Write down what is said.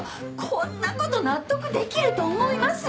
こんなこと納得できると思います？